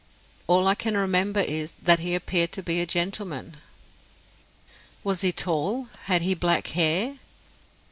"All I can remember is, that he appeared to be a gentleman." "Was he tall? Had he black hair?"